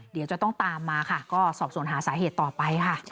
เดี๋ยวจะต้องตามมาค่ะก็สอบส่วนหาสาเหตุต่อไปค่ะ